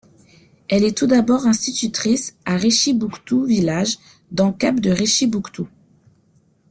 Elle est tout d'abord institutrice à Richibouctou-Village, dans Cap-de-Richibouctou.